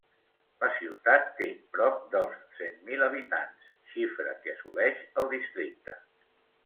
La ciutat té prop dels cent mil habitants, xifra que assoleix el districte.